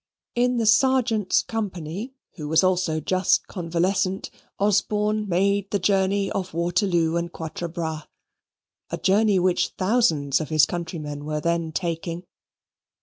In the Sergeant's company, who was also just convalescent, Osborne made the journey of Waterloo and Quatre Bras, a journey which thousands of his countrymen were then taking.